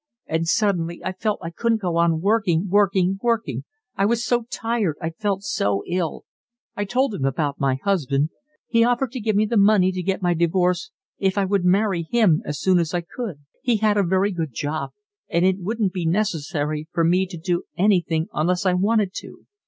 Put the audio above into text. And suddenly I felt I couldn't go on working, working, working; I was so tired, I felt so ill. I told him about my husband. He offered to give me the money to get my divorce if I would marry him as soon as I could. He had a very good job, and it wouldn't be necessary for me to do anything unless I wanted to.